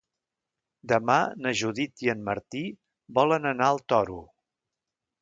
Demà na Judit i en Martí volen anar al Toro.